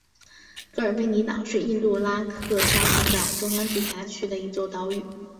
格尔贝尼岛是印度拉克沙群岛中央直辖区的一座岛屿。